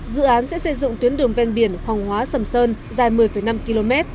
dự án sẽ xây dựng tuyến đường ven biển hoàng hóa sầm sơn dài một mươi năm km